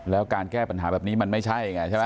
แล้วการแก้ปัญหาแบบนี้มันไม่ใช่ไงใช่ไหม